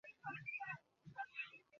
ভাবি নি নিশ্চিত ছিলাম।